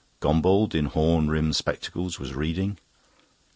Gombauld, in horn rimmed spectacles, was reading.